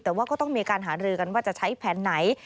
แต่ว่าก็ต้องมีการหารือกันว่าจะใช้แผนไหน